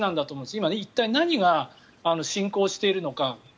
今、一体何が進行しているのか。